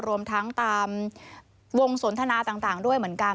รวมทั้งตามวงสนทนาต่างด้วยเหมือนกัน